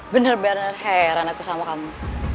bener bener heran aku sama kamu